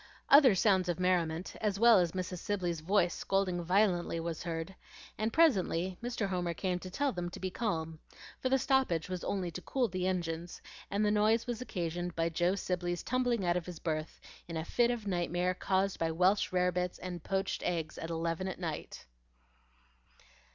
Other sounds of merriment, as well as Mrs. Sibley's voice scolding violently, was heard; and presently Mr. Homer came to tell them to be calm, for the stoppage was only to cool the engines, and the noise was occasioned by Joe Sibley's tumbling out of his berth in a fit of nightmare caused by Welsh rarebits and poached eggs at eleven at night.